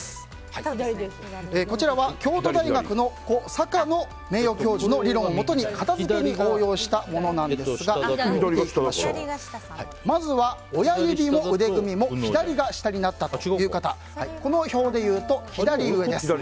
こちらは、京都大学の名誉教授の理論をもとに片付けに応用したものなんですがまずは親指も腕組も左が下の方は表でいう左上です。